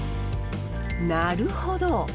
なるほど！